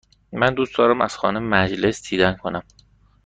من دوست دارم از خانه مجلس دیدن کنم.